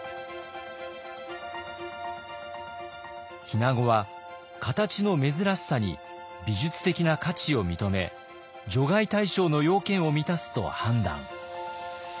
日名子は形の珍しさに美術的な価値を認め除外対象の要件を満たすと判断。